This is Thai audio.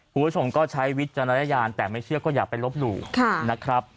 คุณผู้ชมก็ใช้วิจารณญาณแต่ไม่เชื่อก็อย่าไปลบหลู่นะครับ